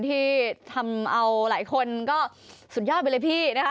ที่ทำเอาหลายคนก็สุดยอดไปเลยพี่นะคะ